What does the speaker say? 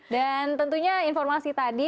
dan tentunya informasi tadi